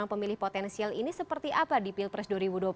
pemilih potensial ini seperti apa di pilpres dua ribu dua puluh